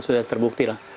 sudah terbukti lah